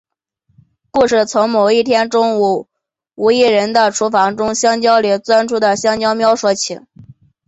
故事从某一天中午空无一人的厨房中从香蕉里钻出的香蕉喵说起。